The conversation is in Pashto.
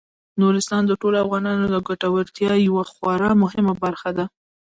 نورستان د ټولو افغانانو د ګټورتیا یوه خورا مهمه برخه ده.